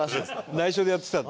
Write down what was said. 内緒でやってたんだ。